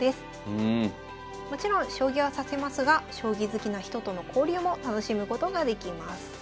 もちろん将棋は指せますが将棋好きな人との交流も楽しむことができます。